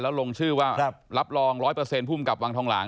แล้วลงชื่อว่ารับรอง๑๐๐ภูมิกับวังทองหลาง